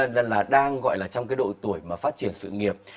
dân là đang gọi là trong cái độ tuổi mà phát triển sự nghiệp